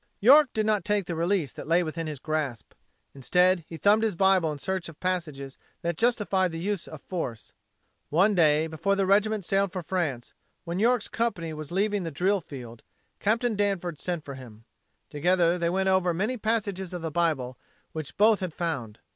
York did not take the release that lay within his grasp. Instead, he thumbed his Bible in search of passages that justified the use of force. One day, before the regiment sailed for France, when York's company was leaving the drill field, Capt. Danford sent for him. Together they went over many passages of the Bible which both had found.